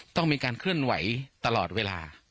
ต้องมีการเคลื่อนไหวตลอดเวลา